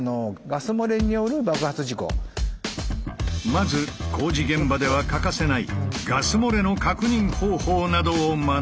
まず工事現場では欠かせないガス漏れの確認方法などを学ぶ。